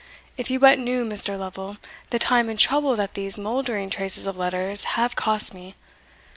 if you but knew, Mr. Lovel, the time and trouble that these mouldering traces of letters have cost me!